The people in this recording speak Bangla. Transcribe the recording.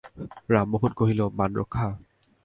রামমোহন কহিল, মান রক্ষা?